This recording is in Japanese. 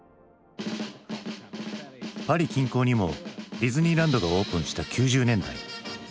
パリ近郊にもディズニーランドがオープンした９０年代。